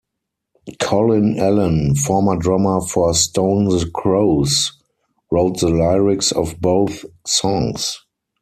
Colin Allen, former drummer for Stone the Crows, wrote the lyrics of both songs.